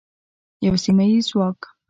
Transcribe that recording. یو سیمه ییز ځواک.